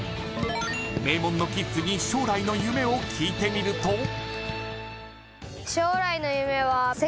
名門のキッズに将来の夢を聞いてみると。